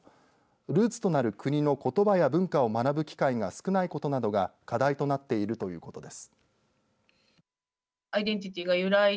ルーツとなる国のことばや文化を学ぶ機会が少ないことなどが課題となっているということです。